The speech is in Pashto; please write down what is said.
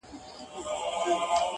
په مسجدونو کي چي لس کلونه ونه موندې!!